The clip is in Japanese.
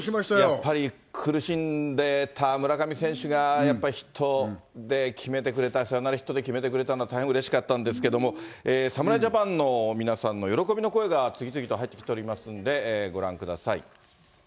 やっぱり苦しんでた村上選手が、やっぱりヒットで決めてくれた、サヨナラヒットで決めてくれたのは大変うれしかったんですけれども、侍ジャパンの皆さんの喜びの声が次々と入ってきておりますんで、ご覧ください。